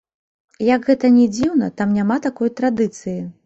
Як гэта ні дзіўна, там няма такой традыцыі.